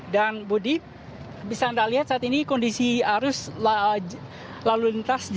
dan budi bisa anda lihat saat ini kondisi arus lalu lintas